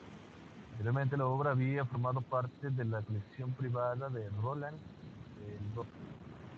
Anteriormente la obra había formado parte de la colección privada de Roland Penrose.